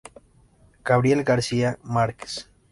Gabriel García Márquez.